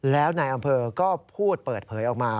แล้วนายอำเภอก็พูดเปิดเผยออกมา